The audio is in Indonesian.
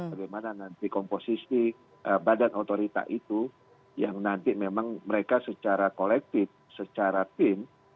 bagaimana nanti komposisi badan otorita itu yang nanti memang mereka secara kolektif secara tim